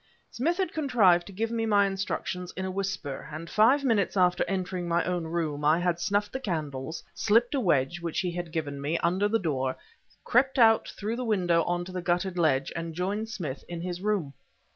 Smith had contrived to give me my instructions in a whisper, and five minutes after entering my own room, I had snuffed the candles, slipped a wedge, which he had given me, under the door, crept out through the window onto the guttered ledge, and joined Smith in his room.